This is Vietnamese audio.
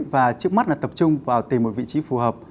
và trước mắt là tập trung vào tìm một vị trí phù hợp